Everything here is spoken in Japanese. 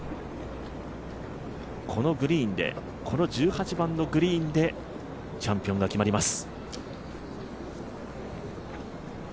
このグリーンでこの１８番のグリーンで、チャンピオンが決まります。